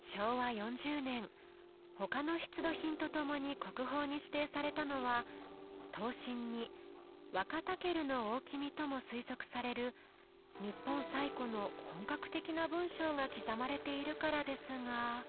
昭和４０年他の出土品とともに国宝に指定されたのは刀身に「ワカタケルの大王」とも推測される日本最古の本格的な文章が刻まれているからですが。